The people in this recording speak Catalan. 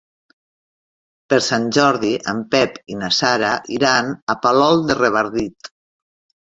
Per Sant Jordi en Pep i na Sara iran a Palol de Revardit.